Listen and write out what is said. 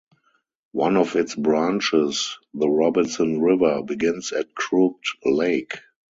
One of its branches, the Robinson River, begins at Crooked Lake.